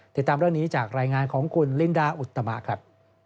ติดตามเรื่องนี้จากรายงานของคุณลินดาอุตมะครับ